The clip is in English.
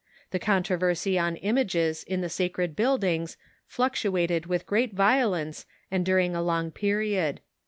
The controversy on Laws and Usages i^jages in the sacred buildings fluctuated with great violence and during a long period.